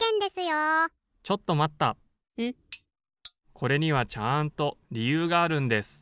・これにはちゃんとりゆうがあるんです。